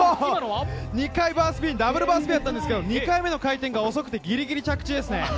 ２回バースピン、ダブルバースピンですが、２回目の回転が遅くてギリギリ着地です。